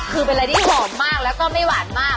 คือเป็นอะไรที่หอมมากแล้วก็ไม่หวานมาก